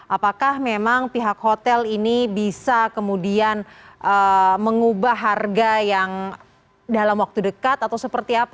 apakah memang pihak hotel ini bisa kemudian mengubah harga yang dalam waktu dekat atau seperti apa